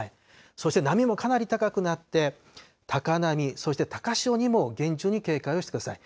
そして波もかなり高くなって、高波、そして高潮にも厳重に警戒をしてください。